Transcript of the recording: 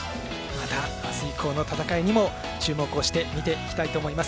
また明日以降の戦いにも注目して見ていきたいと思います。